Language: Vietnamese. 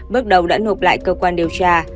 bước đầu đã nộp lại cơ quan điều tra